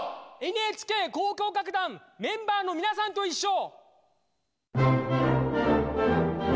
ＮＨＫ交響楽団メンバーのみなさんといっしょ！